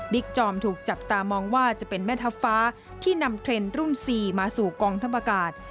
จอมถูกจับตามองว่าจะเป็นแม่ทัพฟ้าที่นำเทรนด์รุ่น๔มาสู่กองทัพอากาศ